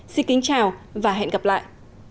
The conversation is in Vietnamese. xin kính chào và hẹn gặp lại